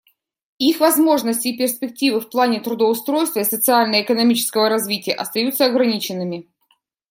Их возможности и перспективы в плане трудоустройства и социально-экономического развития остаются ограниченными.